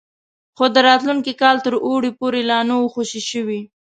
خو د راتلونکي کال تر اوړي پورې لا نه وو خوشي شوي.